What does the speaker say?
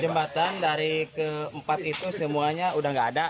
jembatan dari keempat itu semuanya udah nggak ada